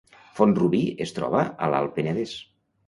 Font-rubí es troba a l’Alt Penedès